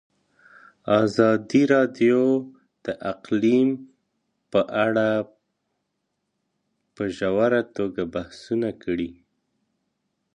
ازادي راډیو د اقلیم په اړه په ژوره توګه بحثونه کړي.